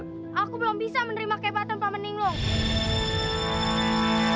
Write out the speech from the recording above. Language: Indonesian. aku belum bisa menerima kebahasan paman linglong